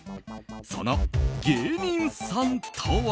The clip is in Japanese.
その芸人さんとは。